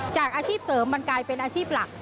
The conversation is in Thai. อาชีพเสริมมันกลายเป็นอาชีพหลัก